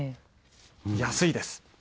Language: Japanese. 安いです。